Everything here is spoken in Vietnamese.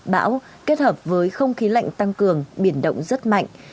bão kết hợp với không khí lạnh tăng cường biển động rất mạnh